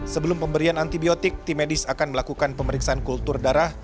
sebelum pemberian antibiotik tim medis akan melakukan pemeriksaan kultur darah